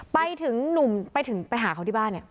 ไปถึงหนุ่มไปหาเขาที่บ้าน